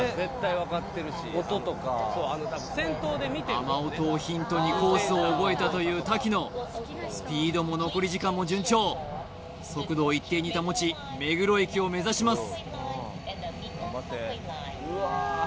雨音をヒントにコースを覚えたという瀧野スピードも残り時間も順調速度を一定に保ち目黒駅を目指します